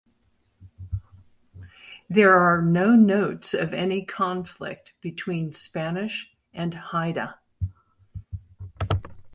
There are no notes of any conflict between Spanish and Haida.